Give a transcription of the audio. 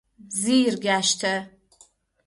زیر گشته